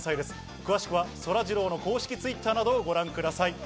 詳しくはそらジローの公式Ｔｗｉｔｔｅｒなどをご覧ください。